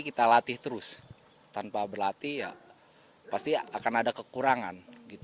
kita latih terus tanpa berlatih ya pasti akan ada kekurangan